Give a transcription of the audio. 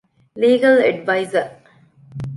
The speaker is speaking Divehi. ލީގަލް އެޑްވައިޒަރ